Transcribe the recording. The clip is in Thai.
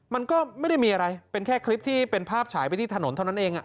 มันก็ไม่ได้มีอะไรเป็นแค่คลิปที่เป็นภาพฉายไปที่ถนนเท่านั้นเอง